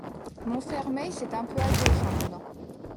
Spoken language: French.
Montfermeil, c'est un peu à gauche en venant.